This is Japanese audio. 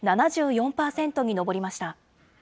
７４％に上りました。